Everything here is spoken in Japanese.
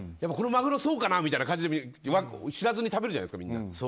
このマグロそうかなみたいな感じで知らずに食べるじゃないですか。